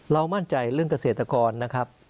มั่นใจเรื่องเกษตรกรนะครับ